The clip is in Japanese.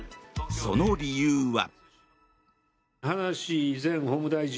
その理由は。